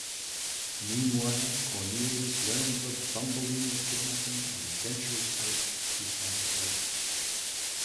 Meanwhile, Cornelius learns of Thumbelina's kidnapping and ventures out to find her.